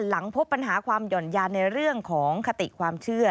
หลังพบปัญหาความหย่อนยานในเรื่องของคติความเชื่อ